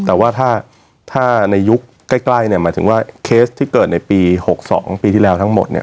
แต่ว่าถ้าในยุคใกล้เนี่ยหมายถึงว่าเคสที่เกิดในปี๖๒ปีที่แล้วทั้งหมดเนี่ย